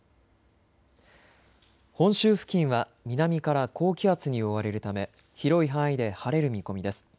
本州付近は南から高気圧に覆われるため広い範囲で晴れる見込みです。